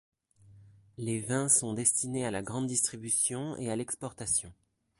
Les vins sont destinés à la grande distribution et à l'exportation.